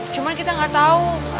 cuma kita gak tau